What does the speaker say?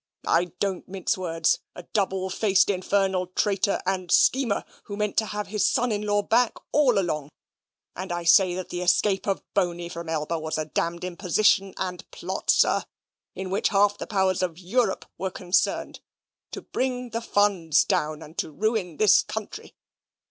I don't mince words a double faced infernal traitor and schemer, who meant to have his son in law back all along. And I say that the escape of Boney from Elba was a damned imposition and plot, sir, in which half the powers of Europe were concerned, to bring the funds down, and to ruin this country.